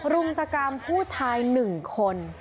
รุมสกรรมผู้ชาย๑คน